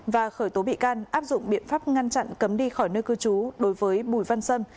và khởi tố bị can áp dụng biện pháp ngăn chặn cấm đi khỏi nơi cư trú đối với bùi văn sơn